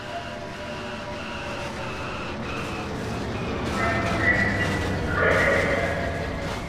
utahihitaji ni fungu moja la nyanya